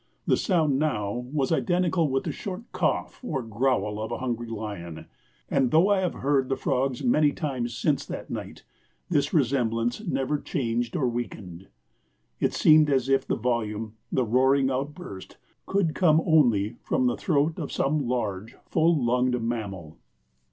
The sound now was identical with the short cough or growl of a hungry lion, and though I have heard the frogs many times since that night, this resemblance never changed or weakened. It seemed as if the volume, the roaring outburst, could come only from the throat of some large, full lunged mammal.